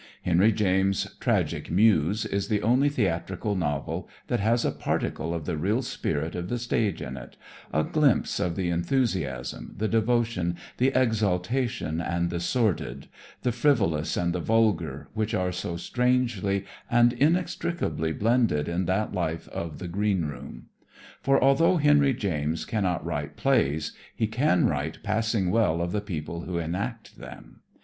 Henry James' "Tragic Muse" is the only theatrical novel that has a particle of the real spirit of the stage in it, a glimpse of the enthusiasm, the devotion, the exaltation and the sordid, the frivolous and the vulgar which are so strangely and inextricably blended in that life of the green room. For although Henry James cannot write plays he can write passing well of the people who enact them.